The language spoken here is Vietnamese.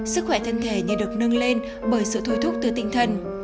sức khỏe thân thể như được nâng lên bởi sự thôi thúc từ tinh thần